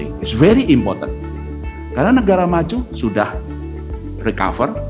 ini sangat penting karena negara maju sudah recover